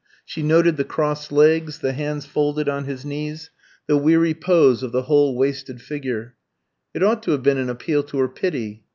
She noted the crossed legs, the hands folded on his knees, the weary pose of the whole wasted figure. It ought to have been an appeal to her pity.